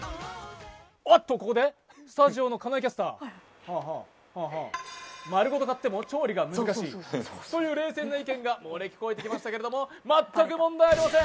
あっと、ここでスタジオの金井キャスター、丸ごと買っても調理が難しいとうい冷静な意見が漏れ聞こえてきましたけど、全く問題ありません。